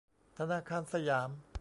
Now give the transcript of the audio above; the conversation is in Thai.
ธนาคารสยาม